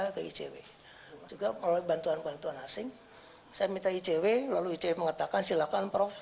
ke icw juga oleh bantuan bantuan asing saya minta icw lalu icw mengatakan silakan prof